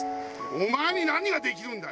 お前に何ができるんだよ！